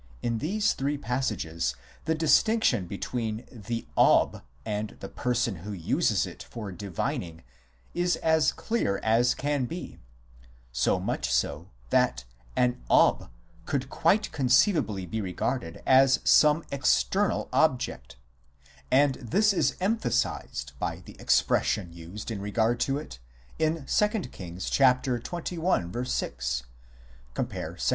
In these three passages the distinction between the Ob and the person who uses it for divining is as clear as can be ; so much so that an Ob could quite conceivably be regarded as some external object ; and this is emphasized by the ex pression used in regard to it in 2 Kings xxi. 6 (= 2 Chron.